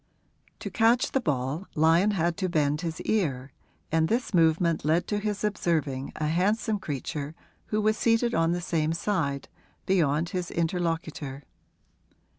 To catch the ball Lyon had to bend his ear, and this movement led to his observing a handsome creature who was seated on the same side, beyond his interlocutor.